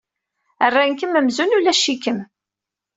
Rran-kem amzun ulac-ikem.